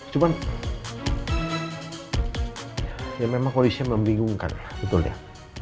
cuma ya memang polisinya membingungkan betul ya